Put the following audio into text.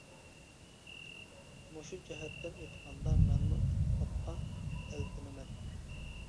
مۇشۇ جەھەتتىن ئېيتقاندا، مەنمۇ ئېتىقادقا تەلپۈنىمەن.